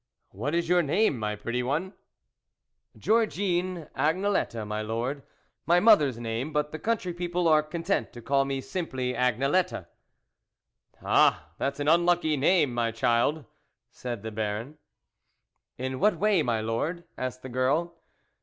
" What is your name, my pretty one ?"" Georgine Agnelette, my Lord, my mother's name ! but the country people are content to call me simply Agnelette." " Ah, that's an unlucky name, my child," said the Baron. " In what way my Lord ?" asked the girl.